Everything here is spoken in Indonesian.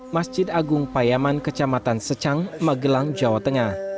masjid agung payaman kecamatan secang magelang jawa tengah